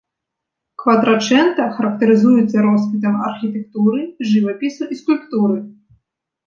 Кватрачэнта характарызуецца росквітам архітэктуры, жывапісу і скульптуры.